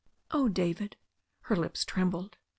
"Oh, David." Her lips trembled.